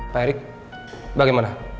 pak erik bagaimana